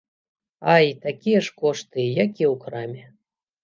Ай, такія ж кошты, як і ў краме!